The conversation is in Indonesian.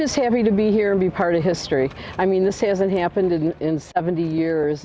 saya senang berada di sini dan menjadi bagian dari sejarah